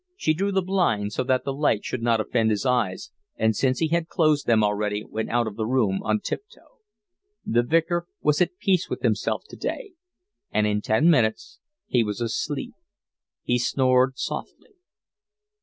She drew the blinds so that the light should not offend his eyes, and since he had closed them already went out of the room on tiptoe. The Vicar was at peace with himself today, and in ten minutes he was asleep. He snored softly.